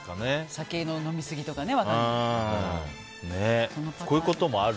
酒の飲みすぎとかね。